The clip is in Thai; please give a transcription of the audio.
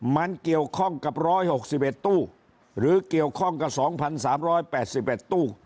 มันเกี่ยวข้องกับร้อยหกสิบเอ็ดตู้หรือเกี่ยวข้องกับสองพันสามร้อยแปดสิบเอ็ดตู้